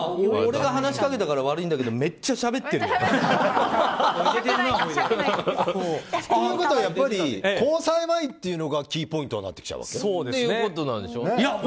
俺が話しかけたから悪いんだけどめっちゃしゃべってるよ。ということはやっぱり交際前というのがキーポイントになってきちゃうわけ？